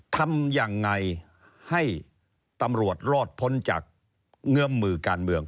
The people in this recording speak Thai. ทำยังไงให้ตำรวจรอดพ้นจากเงื่อมมือการเมือง